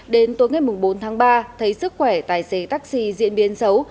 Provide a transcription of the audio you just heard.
đến tối ngày bốn tháng ba thấy sức khỏe tài xế taxi diễn biến xấu